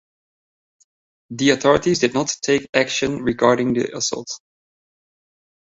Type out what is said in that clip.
The authorities did not take action regarding the assault.